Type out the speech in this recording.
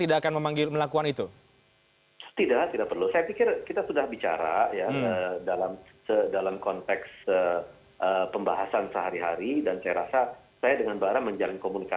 dan benar benar benar